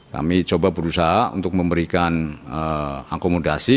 kami coba berusaha untuk memberikan akomodasi